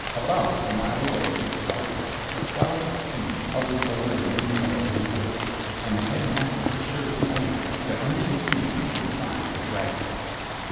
About a mile away to the southwest a cloud of steam hovered over an open meadow in the woods and the Headmaster assured Gawaine that under the steam he would find a dragon.